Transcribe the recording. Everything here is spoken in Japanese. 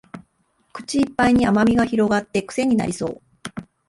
口いっぱいに甘味が広がってクセになりそう